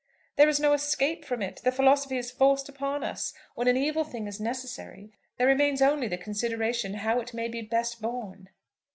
"There is no escape from it. The philosophy is forced upon us. When an evil thing is necessary, there remains only the consideration how it may be best borne."